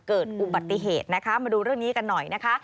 เกิดอุบัติเหตุนะคะมาดูเรื่องนี้กันหน่อยนะคะ